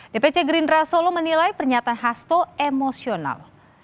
dpc gerindra solo menilai pernyataan hasto emosional